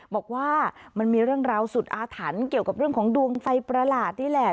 บอกว่ามันมีเรื่องราวสุดอาถรรพ์เกี่ยวกับเรื่องของดวงไฟประหลาดนี่แหละ